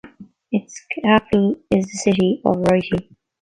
Its capital is the city of Rieti.